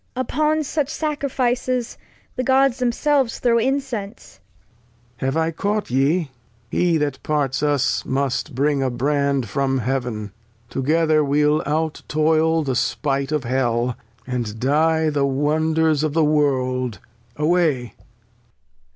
Cord. Upon such Sacrifices The Gods themselves throw Incense. Lear. Have I caught ye ? He that parts us must bring a Brand from Heav'n : Together we'll out toil the Spight of Hell, And die the Wonders of the World ; away.